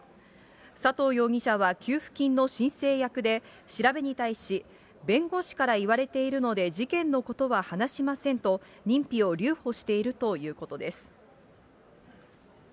佐藤容疑者は給付金の申請役で、調べに対し、弁護士から言われているので事件のことは話しませんと、認否を留保しているということです。